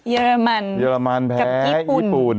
เยอรมันกับญี่ปุ่น